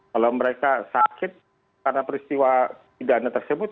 kalau mereka sakit karena peristiwa pidana tersebut